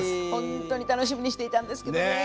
ホントに楽しみにしていたんですけどね。